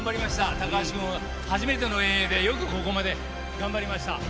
高橋君、初めての遠泳でよくここまで頑張りました。